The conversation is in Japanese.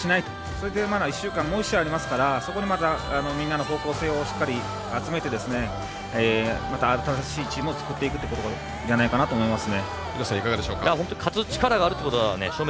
それで１週間でもう１試合あるのでそこでまた、みんなの方向性をしっかり集めてまた新しいチームを作っていくということだと思います。